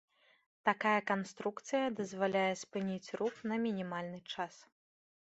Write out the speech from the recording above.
Такая канструкцыя дазваляе спыняць рух на мінімальны час.